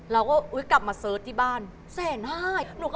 และหนูก็ชอบให้ทรมหาถุงก